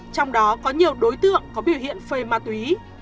trong đó có nhiều đối tượng có biểu hiện phê ma túy